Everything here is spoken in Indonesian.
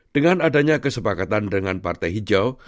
dengan adanya kesepakatan dengan partai hijau